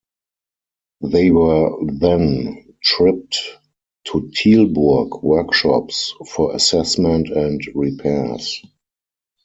They were then tripped to Tilburg workshops for assessment and repairs.